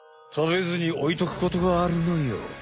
食べずにおいとくことがあるのよ。